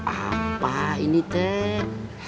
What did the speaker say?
apa ini teh